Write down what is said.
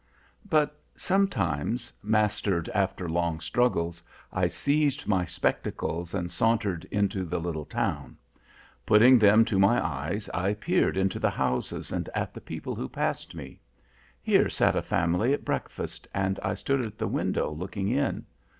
"But, sometimes, mastered after long struggles, I seized my spectacles and sauntered into the little town. Putting them to my eyes I peered into the houses and at the people who passed me. Here sat a family at breakfast, and I stood at the window looking in.